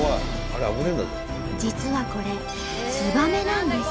実はこれツバメなんです。